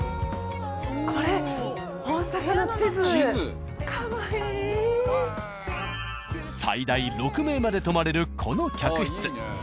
これ最大６名まで泊まれるこの客室。